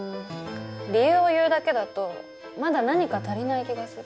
理由を言うだけだとまだ何か足りない気がする。